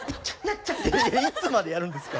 いつまでやるんですか。